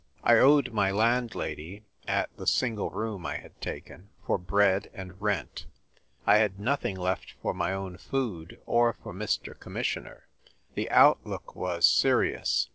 I owed my landlady (at the single room I had taken) for bread and rent. I had nothing left for my own food or for Mr. Commissioner. The outlook was serious.